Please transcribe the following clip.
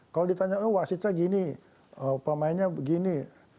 kalau ditanya oh wasitnya gini pemainnya begini